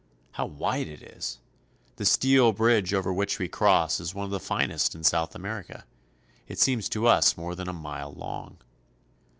How wide it is! The steel bridge over which we cross is one of the finest in South America; it seems to us more than a mile long.